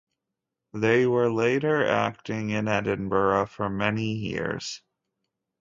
They were later acting in Edinburgh for many years.